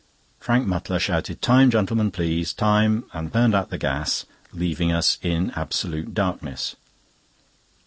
Frank Mutlar shouted: "Time, gentlemen, please! time!" and turned out the gas, leaving us in absolute darkness.